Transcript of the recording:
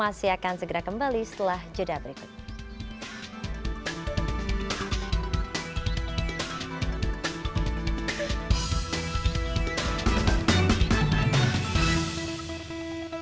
masih akan segera kembali setelah juda berikutnya